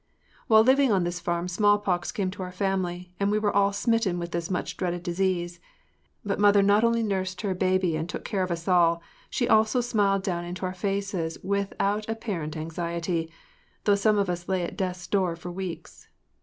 While living on this farm smallpox came to our family and we were all smitten with this much dreaded disease, but mother not only nursed her baby and took care of us all, but she also smiled down into our faces without apparent anxiety—though some of us lay at death’s door for weeks.